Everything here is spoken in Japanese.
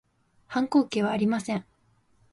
反抗期はありません